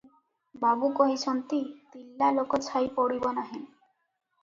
ବାବୁ କହିଛନ୍ତି, ତିର୍ଲା ଲୋକ ଛାଇ ପଡ଼ିବ ନାହିଁ!